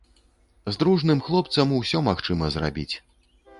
З дружным хлопцам усё магчыма зрабіць.